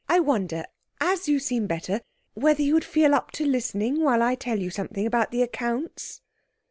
I wonder, as you seem better, whether you would feel up to listening while I tell you something about the accounts?'